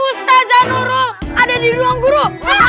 ustadz zanurul ada di ruang guru